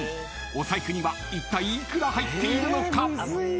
［お財布にはいったい幾ら入っているのか？］